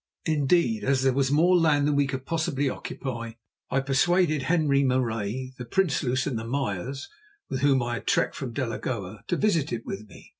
Indeed, as there was more land than we could possibly occupy, I persuaded Henri Marais, the Prinsloos and the Meyers, with whom I had trekked from Delagoa, to visit it with me.